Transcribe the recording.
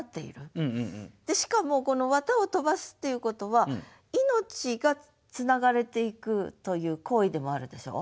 しかもこの絮を飛ばすっていうことは命がつながれていくという行為でもあるでしょう？